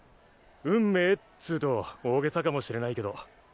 運命っつと大げさかもしれないけど。